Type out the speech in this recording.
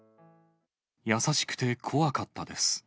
優しくて怖かったです。